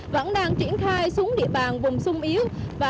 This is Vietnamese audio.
vẫn đang triển khai xuống địa bàn vùng sung yếu